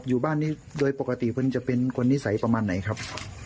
อยู่บ้านนี้โดยปกติเพื่อนจะเป็นคนนิสัยประมาณไหนครับ